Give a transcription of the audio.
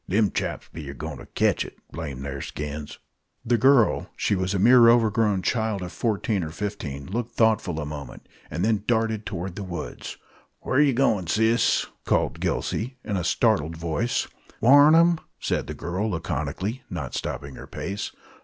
Them chaps be a goin' ter ketch it, blame the'r skins!" The girl she was a mere overgrown child of fourteen or fifteen looked thoughtful a moment, and then darted toward the woods. "Whar yer goin', sis?" called Gillsey, in a startled voice. "Warn 'em!" said the girl, laconically, not stopping her pace.